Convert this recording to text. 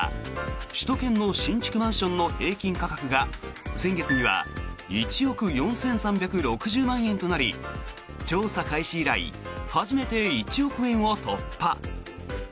首都圏の新築マンションの平均価格が先月には１億４３６０万円となり調査開始以来初めて１億円を突破。